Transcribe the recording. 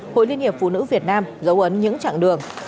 hội liên hiệp phụ nữ việt nam dấu ấn những trạng đường